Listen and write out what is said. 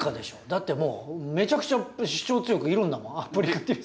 だってもうめちゃくちゃ主張強くいるんだもんプリカティリスがさ。